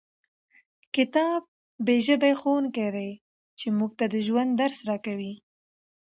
کتاب هغه بې ژبې ښوونکی دی چې موږ ته د ژوند درس راکوي.